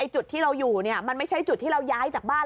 จุดที่เราอยู่มันไม่ใช่จุดที่เราย้ายจากบ้าน